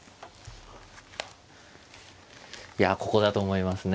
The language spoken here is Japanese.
いやここだと思いますね。